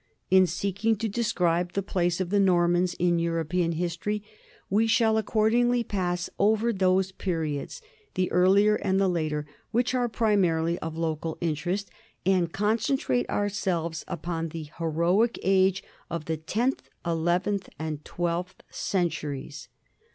In seeking to describe the 24 NORMANS IN EUROPEAN HISTORY place of the Normans in European history we shall ac cordingly pass over those periods, the earlier and the later, which are primarily of local interest, and concen trate ourselves upon the heroic age of the tenth, elev enth, and twelfth centuries.